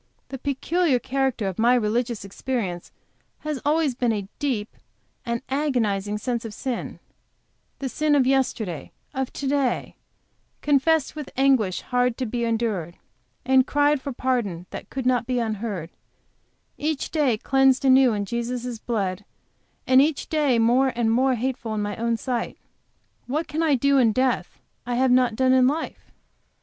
The peculiar character of my religious experience has always been a deep, an agonizing sense of sin; the sin of yesterday, of to day, confessed with anguish hard to be endured, and cried for pardon that could not be unheard; each day cleansed anew in Jesus' blood, and each day more and more hateful in my own sight; what can I do in death I have not done in life?